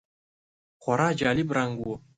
خورا جالب رنګ و .